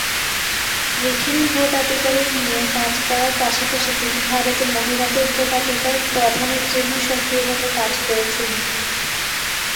ব্রিটেনে ভোটাধিকার নিয়ে কাজ করার পাশাপাশি তিনি ভারতে মহিলাদের ভোটাধিকার প্রদানের জন্য সক্রিয়ভাবে কাজ করেছিলেন।